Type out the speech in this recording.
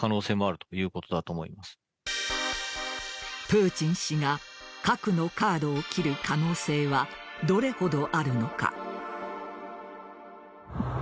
プーチン氏が核のカードを切る可能性はどれほどあるのか。